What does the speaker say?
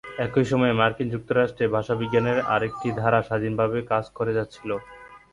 একই সময়ে মার্কিন যুক্তরাষ্ট্রে ভাষাবিজ্ঞানের আরেকটি ধারা স্বাধীনভাবে কাজ করে যাচ্ছিল।